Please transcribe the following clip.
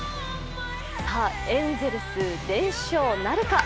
エンゼルス、連勝なるか。